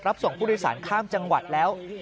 รับส่งผู้โดยสารข้ามจังหวัดแล้ว